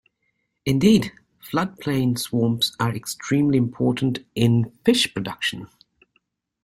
Indeed, floodplain swamps are extremely important in fish production.